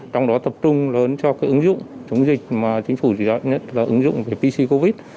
trong đó tập trung lớn cho cái ứng dụng chống dịch mà chính phủ chỉ đạo nhất là ứng dụng về pc covid